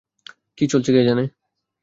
কি চলছে কে জানে!